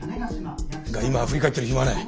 が今は振り返ってる暇はない。